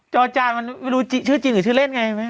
จอจานมันไม่รู้ชื่อจริงหรือชื่อเล่นไงแม่